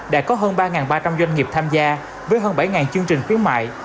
đã có hơn ba ba trăm linh doanh nghiệp tham gia với hơn bảy chương trình khuyến mại